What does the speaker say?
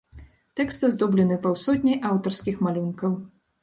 Тэкст аздоблены паўсотняў аўтарскіх малюнкаў.